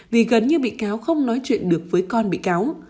vì gần như bị cáo không nói chuyện được với con bị cáo